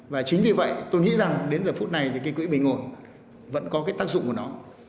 và chính vì vậy tôi nghĩ rằng đến giờ phút này thì cái quỹ bình ổn vẫn có cái tác dụng của nó